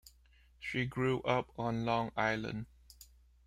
She grew up on Long Island.